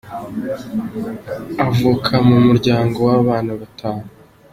avuka mu muryango w’abana batanu.